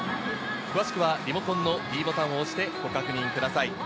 詳しくはリモコンのｄボタンを押してご確認ください。